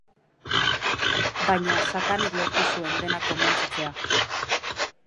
Baina Satanek lortu zuen denak konbentzitzea.